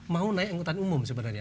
mau naik angkutan umum sebenarnya